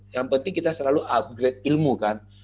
yang penting kita selalu upgrade ilmu kan